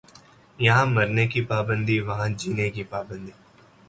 یہاں مرنے کی پابندی وہاں جینے کی پابندی